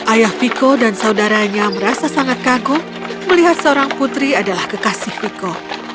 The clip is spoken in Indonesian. ayah viko dan saudaranya merasa sangat kagum melihat seorang putri adalah kekasih viko